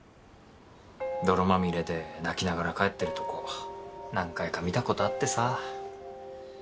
泥まみれで泣きながら帰ってるとこ何回か見た事あってさ。